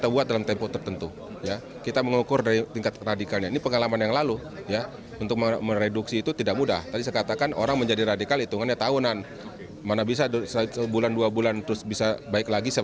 bapak komjen paul soehardi alius